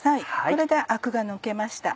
これでアクが抜けました。